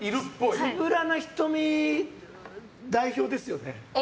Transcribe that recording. つぶらな瞳代表ですよね。